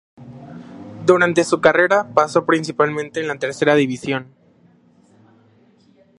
Durante su carrera, pasó principalmente en la tercera división.